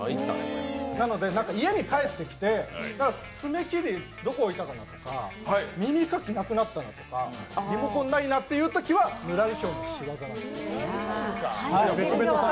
なので、家に帰ってきて、爪切りどこ置いたかなとか、耳かき、なくなったなとか、リモコンないなというときはぬらりひょんの仕業なんです。